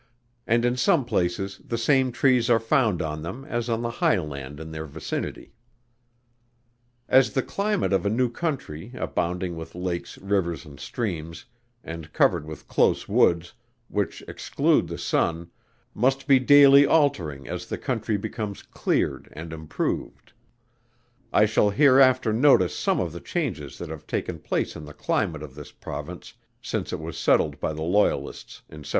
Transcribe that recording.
and in some places the same trees are found on them, as on the high land in their vicinity. As the climate of a new country, abounding with lakes, rivers and streams, and covered with close woods, which exclude the sun, must be daily altering as the country becomes cleared and improved: I shall hereafter notice some of the changes that have taken place in the climate of this Province since it was settled by the Loyalists in 1783.